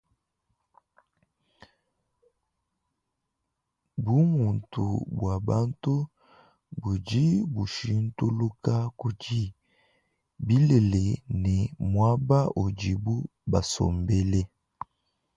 Bumuntu bua bantu budi bushintuluka kudi bilele ne muaba udibu basombele.